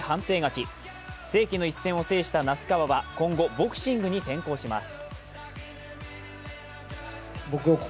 世紀の一戦を制した那須川は今後、ボクシングに転向します。